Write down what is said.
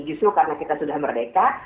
justru karena kita sudah merdeka